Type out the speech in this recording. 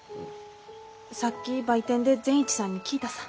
さっき売店で善一さんに聞いたさ。